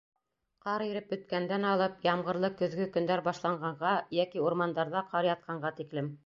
Ҡар иреп бөткәндән алып ямғырлы көҙгө көндәр башланғанға йәки урмандарҙа ҡар ятҡанға тиклем: